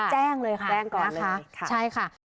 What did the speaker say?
แจ้งเลยค่ะแจ้งก่อนนะคะใช่ค่ะ